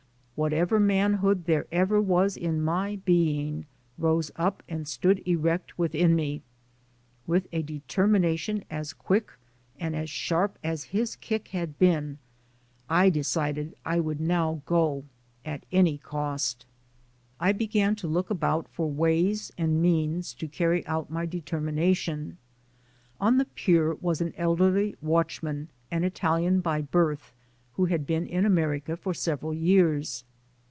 Whatever manhood there ever was in my being rose up and stood erect within me; with a determination as quick and as sharp as his kick had been, I decided I would now go at any cost. I began to look about for ways and means to carry out my determination. On the pier was an elderly watchman, an Italian by birth, who had been in America for several years.